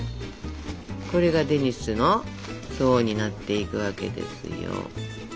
これがデニッシュの層になっていくわけですよ。